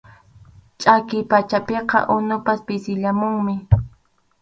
Chʼakiy pachapiqa unupas pisiyamunmi.